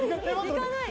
いかない。